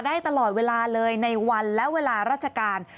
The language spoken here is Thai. ได้ตลอดเวลาเลยในวันและเวลาราชการ